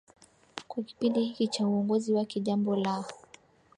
kwa kipindi hiki cha uongozi wake jambo la